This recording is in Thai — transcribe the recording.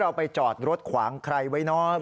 เราไปจอดรถขวางใครไว้เนาะ